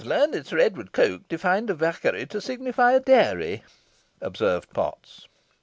"The learned Sir Edward Coke defines a vaccary to signify a dairy," observed Potts.